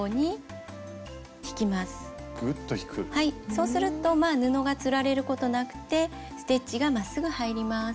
そうするとまあ布がつられることなくてステッチがまっすぐ入ります。